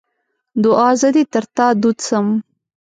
دوعا: زه دې تر تا دود سم.